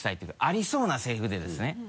ありそうなセリフでですね。